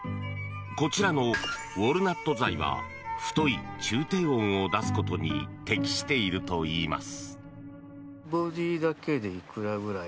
こちらのウォルナット材は太い中低音を出すことに適しているといいます。